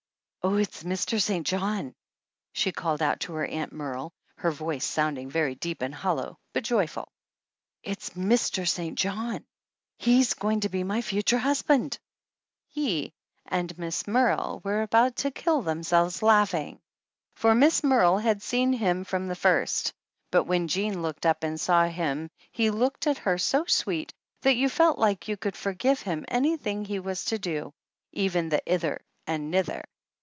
"Oh, it's Mr. St. John," she called out to her Aunt Merle, her voice sounding very deep and hollow, but joyful. "It's Mr. St. John! He's going to be my future husband !" He and Miss Merle were about to kill them selves laughing, for Miss Merle had seen him from the first; but when Jean looked up and saw him he looked at her so sweet that you felt like you could forgive him anything he was to do, even the "i ther and ni ther."